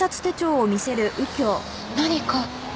何か？